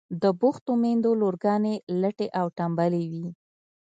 د بوختو میندو لورگانې لټې او تنبلې وي.